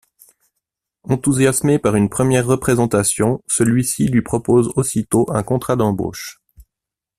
Enthousiasmé par une première représentation, celui ci lui propose aussitôt un contrat d'embauche.